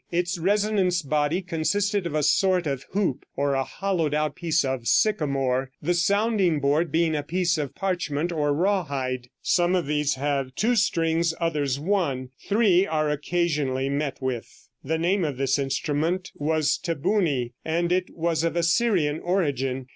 Its resonance body consisted of a sort of hoop, or a hollowed out piece of sycamore, the sounding board being a piece of parchment or rawhide. Some of these have two strings, others one; three are occasionally met with. The name of this instrument was te bouni, and it was of Assyrian origin.